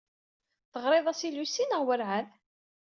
Teɣriḍ-as i Lucy neɣ werɛad?